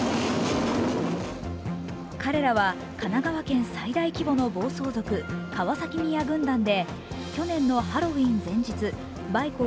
彼らは神奈川県最大規模の暴走族、川崎宮軍団で去年のハロウィーン前日、バイク